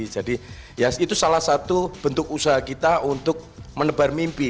jadi ya itu salah satu bentuk usaha kita untuk menebar mimpi